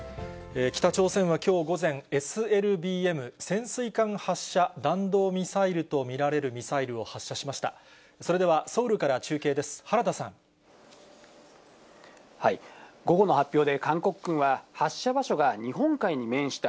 北朝鮮はきょう午前、ＳＬＢＭ・潜水艦発射弾道ミサイルと見られるミサイルを発射しました。